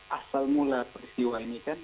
asal mula peristiwa ini kan